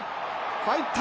入った！